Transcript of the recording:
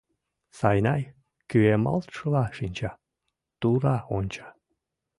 Сайнай кӱэмалтшыла шинча, тура онча.